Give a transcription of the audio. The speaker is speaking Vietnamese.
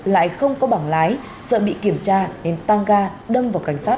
lại không có bảng lái sợ bị kiểm tra nên tăng ga đâm vào cảnh sát một trăm một mươi ba